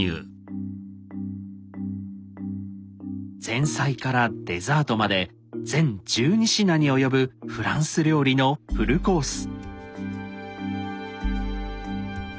前菜からデザートまで全１２品に及ぶフランス料理のフルコース。